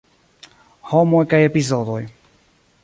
Homoj kaj epizodoj.